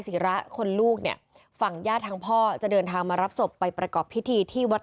ศิระคนลูกเนี่ยฝั่งญาติทางพ่อจะเดินทางมารับศพไปประกอบพิธีที่วัด